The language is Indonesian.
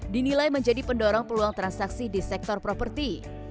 dinilai menjadi pendorong peluang transaksi di sektor properti